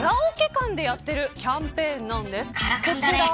カラオケ館でやっているキャンペーンなんです。